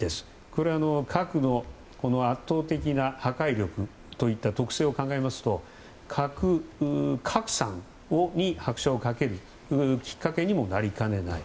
これは核の圧倒的な破壊力といった特性を考えますと核拡散に拍車をかけるきっかけにもなりかねない。